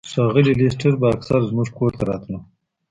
ښاغلی لیسټرډ به اکثر زموږ کور ته راتلو.